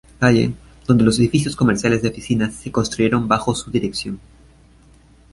Gallen, donde los edificios comerciales de oficinas se construyeron bajo su dirección.